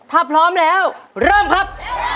ถ้าพร้อมแล้วเริ่มครับ